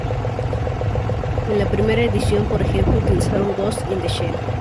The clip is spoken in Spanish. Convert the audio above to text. En la primera edición, por ejemplo, utilizaron Ghost in the Shell.